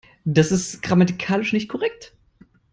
Das ist grammatikalisch nicht korrekt.